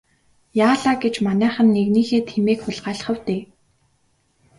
Яалаа гэж манайхан нэгнийхээ тэмээг хулгайлах вэ дээ.